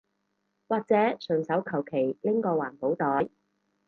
或者順手求其拎個環保袋